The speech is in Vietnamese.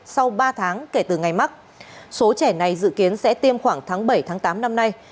sau ba tháng kể từ ngày mắc số trẻ này dự kiến sẽ tiêm khoảng tháng bảy tám năm nay